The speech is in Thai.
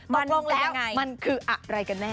ตกลงแล้วมันคืออะไรกันแน่